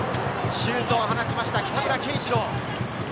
シュートを放ちました、北村圭司朗。